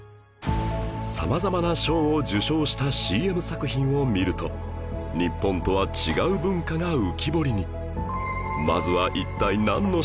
様々な賞を受賞した ＣＭ 作品を見ると日本とは違う文化が浮き彫りに